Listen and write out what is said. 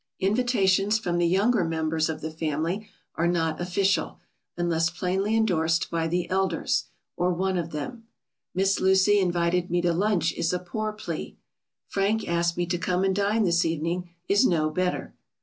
] Invitations from the younger members of the family are not official, unless plainly endorsed by the elders, or one of them. "Miss Lucy invited me to lunch" is a poor plea. "Frank asked me to come and dine this evening," is no better.